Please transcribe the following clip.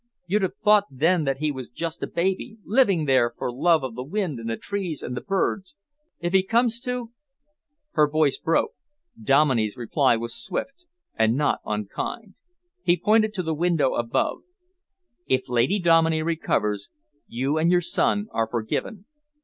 You'd have thought then that he was just a baby, living there for love of the wind and the trees and the birds. If he comes to " Her voice broke. Dominey's reply was swift and not unkind. He pointed to the window above. "If Lady Dominey recovers, you and your son are forgiven.